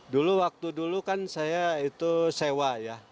dulu waktu dulu kan saya itu sewa ya